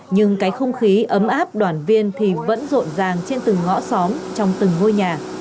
nhưng cái không khí ấm áp đoàn viên thì vẫn rộn ràng trên từng ngõ xóm trong từng ngôi nhà